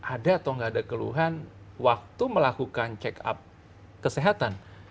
ada atau nggak ada keluhan waktu melakukan check up kesehatan